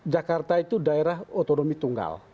jakarta itu daerah otonomi tunggal